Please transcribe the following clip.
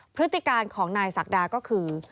พฤติการของนายศักดาก็คือ